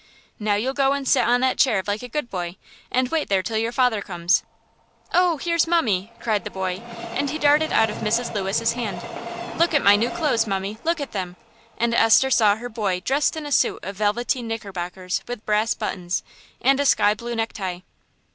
"Now you'll go and sit on that chair, like a good boy, and wait there till your father comes." "Oh, here's mummie," cried the boy, and he darted out of Mrs. Lewis's hand. "Look at my new clothes, mummie; look at them!" And Esther saw her boy dressed in a suit of velveteen knickerbockers with brass buttons, and a sky blue necktie.